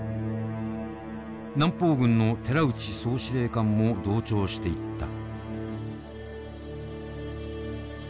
南方軍の寺内総司令官も同調していった。